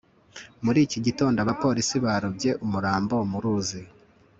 muri iki gitondo, abapolisi barobye umurambo mu ruzi